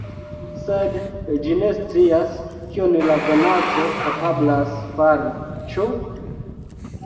Sed ĝi ne scias, kion la donaco kapablas fari, ĉu?